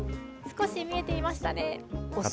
少し見えていましたね。